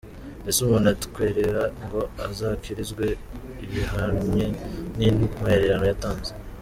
Ese umuntu atwerera ngo azakirizwe ibihwanye n’intwererano yatanze ?.